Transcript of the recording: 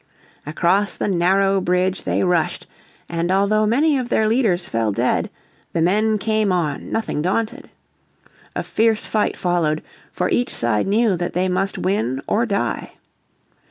Across the narrow bridge they rushed, and although many of their leaders fell dead, the men came on, nothing daunted. A fierce fight followed, for each side knew that they must win or die.